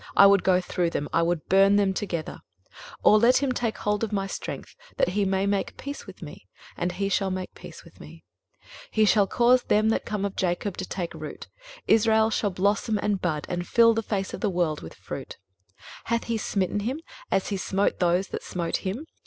I would go through them, I would burn them together. 23:027:005 Or let him take hold of my strength, that he may make peace with me; and he shall make peace with me. 23:027:006 He shall cause them that come of Jacob to take root: Israel shall blossom and bud, and fill the face of the world with fruit. 23:027:007 Hath he smitten him, as he smote those that smote him?